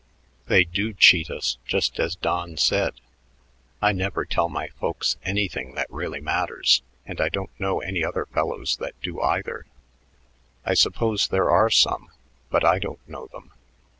They do cheat us just as Don said. I never tell my folks anything that really matters, and I don't know any other fellows that do, either. I suppose there are some, but I don't know them.